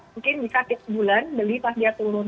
mungkin bisa tiap bulan beli pas dia turun